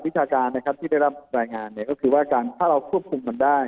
วิทยาการที่ได้รับรายงานก็คือถ้าเราควบคุมมันได้